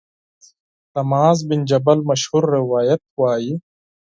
له معاذ بن جبل مشهور روایت وايي